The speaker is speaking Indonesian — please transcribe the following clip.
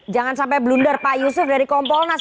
jangan sampai blunder pak yusuf dari kompolnas